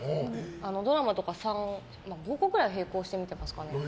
ドラマとか５個ぐらい並行して見てます。